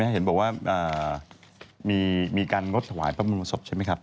เห็นบอกว่ามีการงดสมัยประมาณประสบใช่ไหมครับ